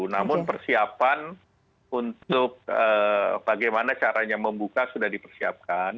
namun persiapan untuk bagaimana caranya membuka sudah dipersiapkan